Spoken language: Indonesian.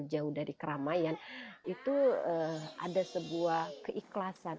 jauh dari keramaian itu ada sebuah keikhlasan